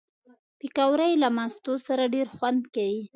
پکورې له مستو سره ډېر خوند کوي